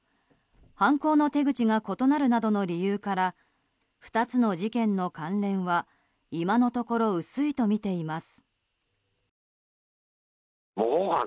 犯行の手口が異なるなどの理由から２つの事件の関連は今のところ薄いとみています。